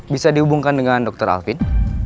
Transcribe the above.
bisa dihubungkan dengan dr alvin